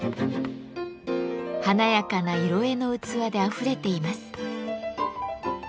華やかな色絵の器であふれています。